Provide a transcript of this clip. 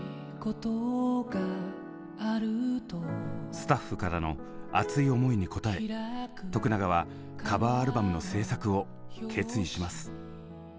スタッフからの熱い思いに応え永はカバーアルバムの制作を決意します。